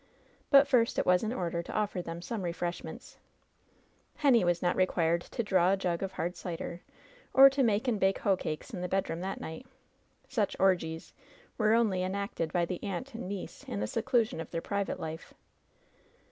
Biit first it was in order to offer them some refreshments, Henny was not required to draw a jug of hard cider, or to make and bake hoe cakes in the bedroom that night. Such "orgies" were only enacted by the aunt and niece in the seclusion of their private life.